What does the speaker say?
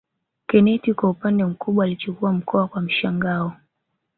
Kenneth kwa upande mkubwa alichukua mkoa kwa mshangao